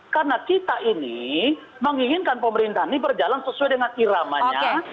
karena kita ini menginginkan pemerintah ini berjalan sesuai dengan iramanya